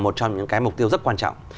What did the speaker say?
một trong những cái mục tiêu rất quan trọng